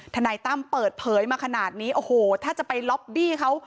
นายตั้มเปิดเผยมาขนาดนี้โอ้โหถ้าจะไปล็อบบี้เขา